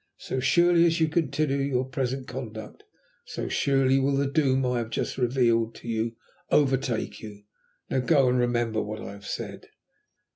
So surely as you continue your present conduct, so surely will the doom I have just revealed to you overtake you. Now go, and remember what I have said."